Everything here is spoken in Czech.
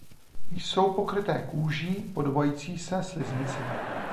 Jsou pokryté kůží podobající se sliznici.